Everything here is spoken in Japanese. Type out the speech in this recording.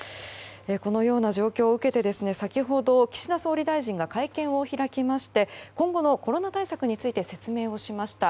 このような状況を受けて先ほど、岸田総理大臣が会見を開きまして今後のコロナ対策について説明をしました。